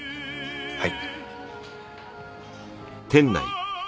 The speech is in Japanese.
はい。